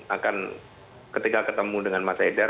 akan ketika ketemu dengan mas haidar